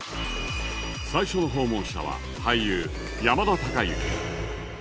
最初の訪問者は俳優山田孝之